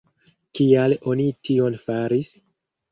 Kial oni tion faris?